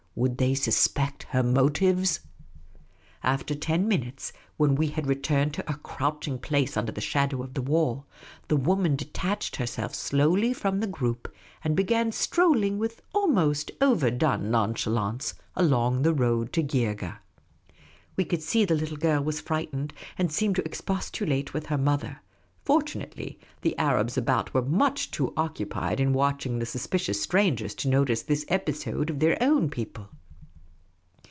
Would they suspect her motives ? After ten minutes, when we had returned to our croucli ing place under the shadow of the wall, the woman detached herself slowly from the group, and began strolling with almost overdone nonchalance along the road to Geergeh. We could see the little girl was frightened and seemed to expostulate with her mother ; fortunately, the Arabs about were too much occupied in watching the suspicious strangers to notice this episode of their own people.